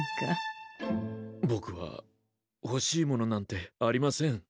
僕は欲しいものなんてありません。